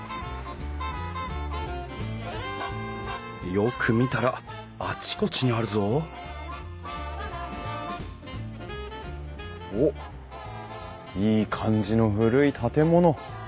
よく見たらあちこちにあるぞおっいい感じの古い建物！